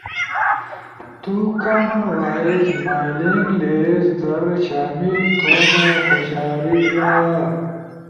تو کامن وائس مائلنگ لیسٹ در شامل تھونو خوشارئیلا؟